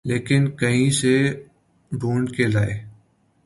لیکن کہیں سے ڈھونڈ کے لائے۔